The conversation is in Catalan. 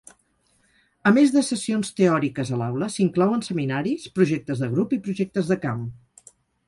A més de sessions teòriques a l"aula, s"inclouen seminaris, projectes de grup i projectes de camp.